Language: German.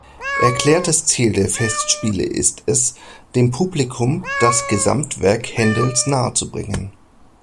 Erklärtes Ziel der Festspiele ist es, dem Publikum das Gesamtwerk Händels nahezubringen.